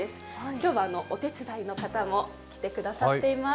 今日はお手伝いの方も来てくださっています。